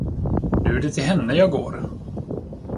Nu är det till henne jag går.